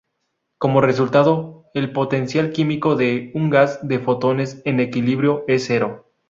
Como resultado, el potencial químico de un gas de fotones en equilibrio es cero.